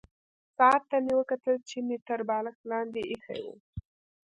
ساعت ته مې وکتل چې مې تر بالښت لاندې ایښی وو.